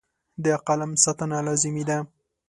د قلم ساتنه لازمي ده.